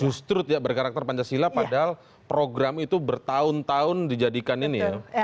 justru tidak berkarakter pancasila padahal program itu bertahun tahun dijadikan ini ya